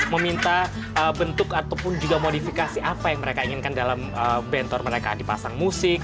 meminta bentuk ataupun juga modifikasi apa yang mereka inginkan dalam bentor mereka dipasang musik